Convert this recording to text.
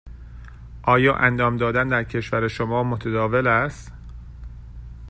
آیا انعام دادن در کشور شما متداول است؟